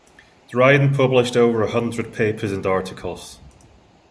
Dryden published over a hundred papers and articles.